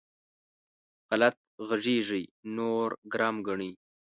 غلط غږېږي؛ نور ګرم ګڼي.